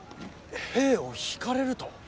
兵を引かれると。